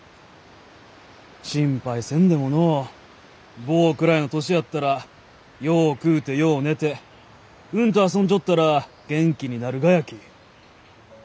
心配せんでものう坊くらいの年やったらよう食うてよう寝てうんと遊んじょったら元気になるがやき。